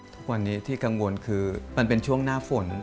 ทุกวันนี้ที่กังวลคือมันเป็นช่วงหน้าฝน